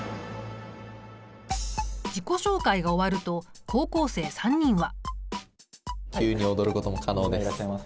自己紹介が終わると高校生３人は。